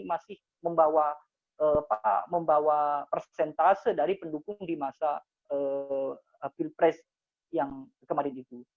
masih membawa persentase dari pendukung di masa pilpres yang kemarin itu